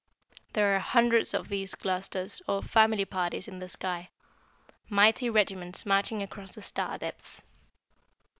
There are hundreds of these clusters, or 'family parties,' in the sky mighty regiments marching across the star depths."